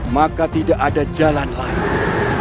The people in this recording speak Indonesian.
maka tidak ada jalan lain